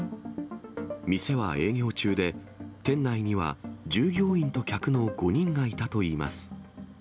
店は営業中で店内には従業員と客の５人がいたといいます。